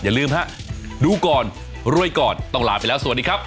อย่าลืมฮะดูก่อนรวยก่อนต้องลาไปแล้วสวัสดีครับ